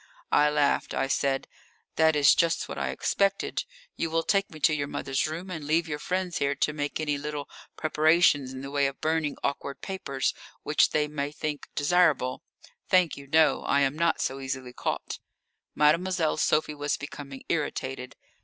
I laughed. I said: "That is just what I expected. You will take me to your mother's room and leave your friends here to make any little preparations in the way of burning awkward papers which they may think desirable. Thank you, no! I am not so easily caught." Mademoiselle Sophie was becoming irritated.